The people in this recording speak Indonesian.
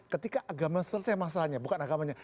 ketika agama selesai masanya bukan agamanya